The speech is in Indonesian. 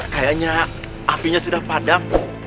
kayaknya apinya sudah padam